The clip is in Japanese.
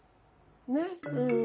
ねっ。